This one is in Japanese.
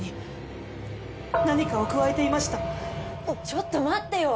ちょっと待ってよ